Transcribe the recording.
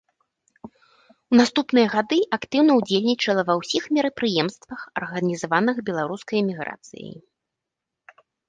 У наступныя гады актыўна ўдзельнічала ва ўсіх мерапрыемствах, арганізаваных беларускай эміграцыяй.